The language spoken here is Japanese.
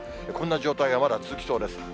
こんな状態がまだ続きそうです。